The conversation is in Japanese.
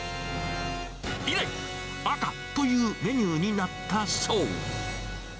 以来、赤というメニューになったそう。